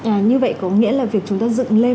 như vậy có nghĩa là việc chúng ta dựng lên